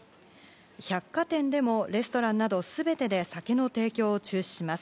百貨店でもレストランなど全てで酒の提供を中止します。